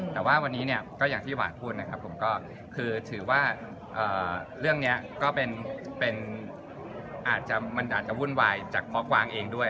แต่ว่าวันนี้เนี่ยก็อย่างที่หวานพูดนะครับผมก็คือถือว่าเรื่องนี้ก็เป็นอาจจะมันอาจจะวุ่นวายจากพ่อกวางเองด้วย